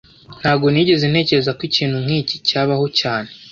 Ntago nigeze ntekereza ko ikintu nkiki kibaho cyane